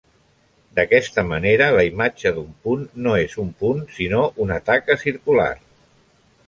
D'aquesta manera la imatge d'un punt no és un punt sinó una taca circular.